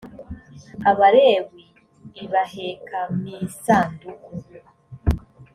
abalewi l baheka m isanduku